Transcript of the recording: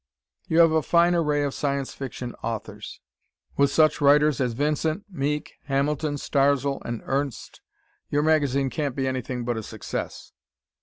You have a fine array of Science Fiction authors. With such writers as Vincent, Meek, Hamilton, Starzl and Ernst, your magazine can't be anything but a success.